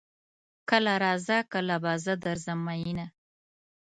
کله راځه کله به زه درځم ميينه